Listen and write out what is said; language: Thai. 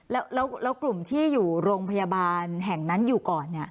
แล้วกลุ่มที่อยู่โรงพยาบาลแห่งนั้นอยู่ก่อน